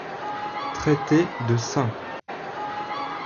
Traité de St.